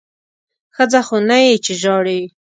ښځه خو نه یې چې ژاړې!